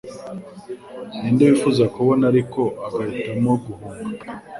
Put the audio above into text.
ninde wifuza kubona ariko agahitamo guhunga